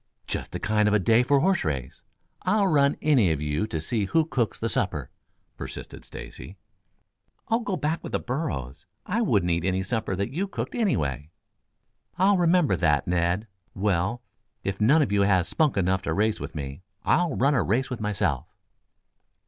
"Just the kind of a day for a horse race. I'll run any of you to see who cooks the supper," persisted Stacy. "Oh, go back with the burros. I wouldn't eat any supper that you cooked, anyway." "I'll remember that, Ned. Well, if none of you has spunk enough to race with me, I'll run a race with myself."